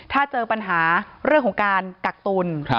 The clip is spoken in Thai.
ถ้าเจอปัญหาเรื่องของการกักตุล